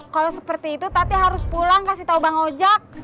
kalau seperti itu tapi harus pulang kasih tahu bang ojek